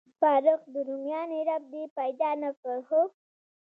فاروق، د روميانو رب دې پیدا نه کړ؟ هو.